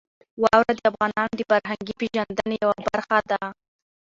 واوره د افغانانو د فرهنګي پیژندنې یوه برخه ده.